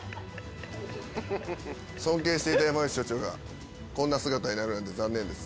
尊敬していた山内署長がこんな姿になるなんて残念です。